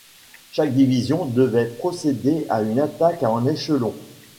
Chaque division devait procéder à une attaque en échelon.